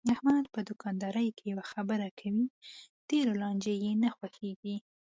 احمد په دوکاندارۍ کې یوه خبره کوي، ډېرو لانجې یې نه خوښږي.